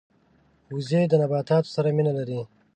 وزې د نباتاتو سره مینه لري